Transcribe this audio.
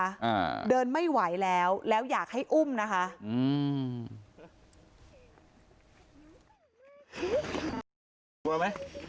อ่าเดินไม่ไหวแล้วแล้วอยากให้อุ้มนะคะอืมกลัวไหม